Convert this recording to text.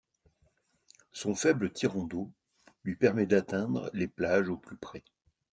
Son faible tirant d'eau lui permet d'atteindre les plages au plus près.